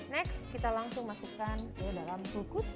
next kita langsung masukkan ke dalam kulkus